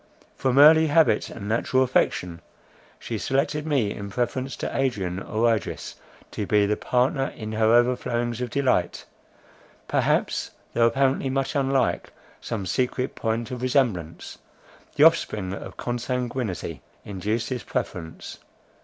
From early habit, and natural affection, she selected me in preference to Adrian or Idris, to be the partner in her overflowings of delight; perhaps, though apparently much unlike, some secret point of resemblance, the offspring of consanguinity, induced this preference.